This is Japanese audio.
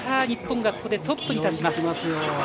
日本がここでトップに立ちます。